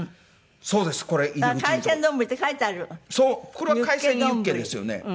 これは海鮮ユッケですよね。